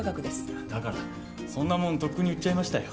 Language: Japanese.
いやだからそんなもんとっくに売っちゃいましたよ。